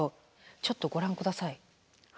ちょっとご覧下さい。